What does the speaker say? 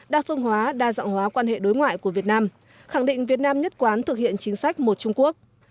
đa phương hóa đa dạng hóa quan hệ đối ngoại của việt nam khẳng định việt nam nhất quán thực hiện chính sách một trung quốc